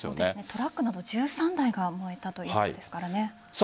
トラックなど１３台が燃えたということですからね。